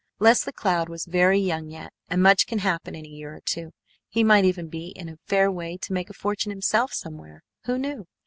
Leslie Cloud was very young yet, and much can happen in a year or two. He might even be in a fair way to make a fortune himself somewhere, who knew?